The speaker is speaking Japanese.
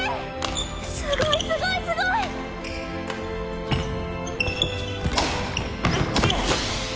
すごいすごいすごい！うっ！